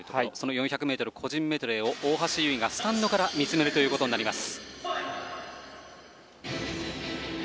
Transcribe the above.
４００ｍ個人メドレーを大橋悠依がスタンドから見つめるということになります。